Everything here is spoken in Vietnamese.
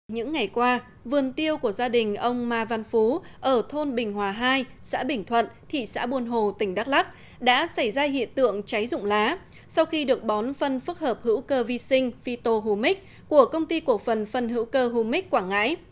những ngày qua vườn tiêu của gia đình ông ma văn phú ở thôn bình hòa hai xã bình thuận thị xã buôn hồ tỉnh đắk lắc đã xảy ra hiện tượng cháy rụng lá sau khi được bón phân phức hợp hữu cơ vi sinh fito humic của công ty cổ phần phân hữu cơ humic quảng ngãi